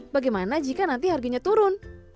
bagaimana jika nanti harganya turun